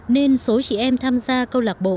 nên số chị em tham gia câu lạc bộ